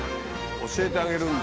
教えてあげるんだ。